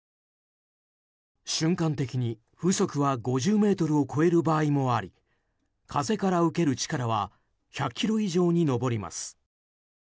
瞬間的に風速は５０メートルを超える場合もあり風から受ける力は１００ｋｇ以上に上ります。